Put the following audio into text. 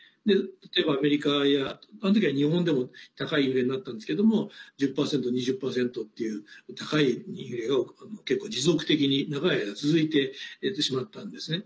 例えば、アメリカやあの時は日本でも高いインフレになったんですけど１０％２０％っていう高いインフレが結構、持続的に長い間続いてしまったんですね。